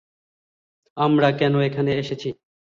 আমরা কেন এখানে এসেছি?